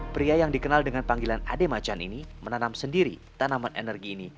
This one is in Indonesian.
pria yang dikenal dengan panggilan ade macan ini menanam sendiri tanaman energi ini